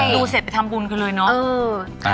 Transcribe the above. ดูเสร็จไปทำบุญกันเลยเนาะ